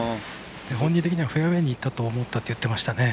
本人的にはフェアウエーにいったと思ったと言っていましたね。